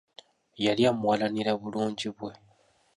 Yali amuwalanira bulungi bwe.